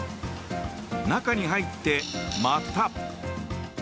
中に入って、また。